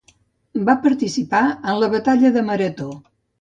Va participar en la batalla de Marató.